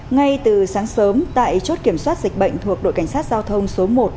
ngay từ sáng sớm tại chốt kiểm soát dịch bệnh thuộc đội cảnh sát giao thông số một